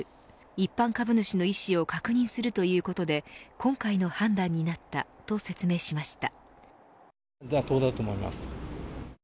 一般株主の意思を確認するということで今回の判断になったと説明しました。